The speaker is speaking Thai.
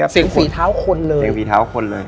เสียงศีริเท้าคนเลย